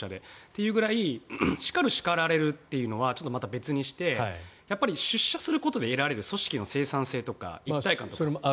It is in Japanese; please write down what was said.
というぐらい叱る、叱られるというのはまた別にしてやっぱり出社することで得られる組織の生産性とか一体感とか。